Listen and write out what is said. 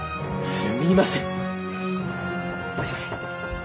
すみません。